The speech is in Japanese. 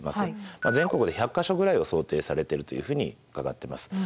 まあ全国で１００か所ぐらいを想定されてるというふうに伺ってます。